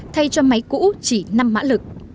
thay cho máy cũ chỉ năm mã lực